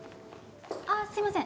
あすいません。